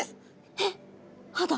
えっ歯だ。